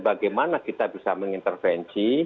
bagaimana kita bisa mengintervensi